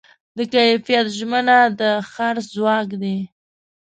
د کیفیت ژمنه د خرڅ ځواک دی.